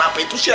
apa itu sial